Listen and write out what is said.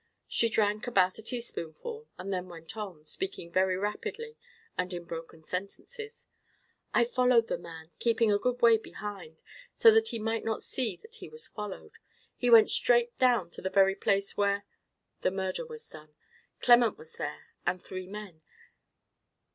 She drank about a teaspoonful, and then went on, speaking very rapidly, and in broken sentences— "I followed the man, keeping a good way behind, so that he might not see that he was followed. He went straight down to the very place where—the murder was done. Clement was there, and three men.